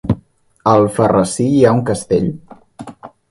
A Alfarrasí hi ha un castell?